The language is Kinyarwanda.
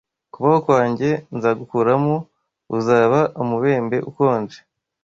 Kubaho kwanjye nzagukuramo: Uzaba umubembe ukonje